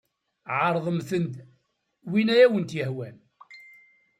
Ɛeṛḍemt-d win ay awent-yehwan.